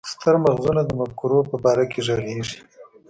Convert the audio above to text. ستر مغزونه د مفکورو په باره کې ږغيږي.